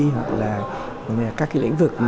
hoặc là các cái lĩnh vực